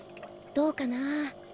どうかな。